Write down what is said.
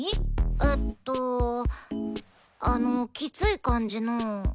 えっとあのきつい感じの。